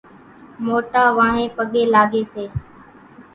موٽان وانھين پڳين لاڳي سي۔